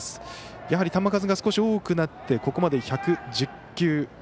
やはり球数が少し多くなってここまで１１０球。